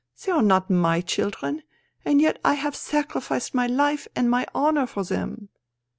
They are not my children, and yet I have sacrificed my life and my honour for them.